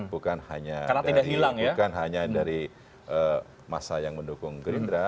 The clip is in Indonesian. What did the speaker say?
bukan hanya dari masa yang mendukung gerindra